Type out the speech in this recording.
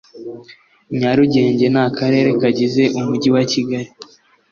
nyarugenge na karere kagize umujyi wa kigali